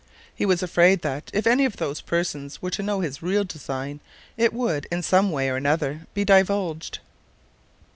He was afraid that, if any of those persons were to know his real design, it would, in some way or other, be divulged.